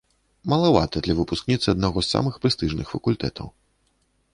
Малавата для выпускніцы аднаго з самых прэстыжных факультэтаў.